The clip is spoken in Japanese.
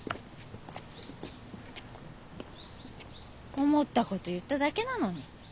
思ったこと言っただけなのに。